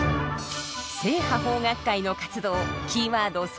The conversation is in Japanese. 正派邦楽会の活動キーワード